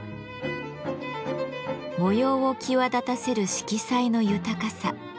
模様を際立たせる色彩の豊かさ。